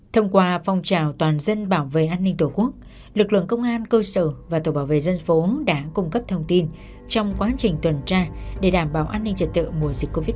thông qua phong trào toàn dân bảo vệ an ninh tổ quốc lực lượng công an cơ sở và tổ bảo vệ dân phố đã cung cấp thông tin trong quá trình tuần tra để đảm bảo an ninh trật tự mùa dịch covid một mươi chín